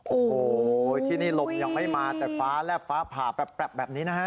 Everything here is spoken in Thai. โอ้โหที่นี่ลมยังไม่มาแต่ฟ้าแลบฟ้าผ่าแปรบแบบนี้นะฮะ